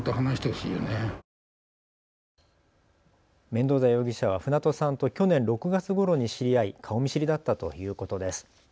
メンドーザ容疑者は船戸さんと去年６月ごろに知り合い顔見知りだったということです。